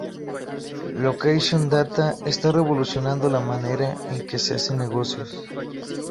Location data está revolucionando la manera en que se hacen negocios.